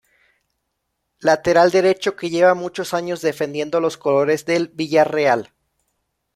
Lateral derecho que lleva muchos años defendiendo los colores del Villarreal.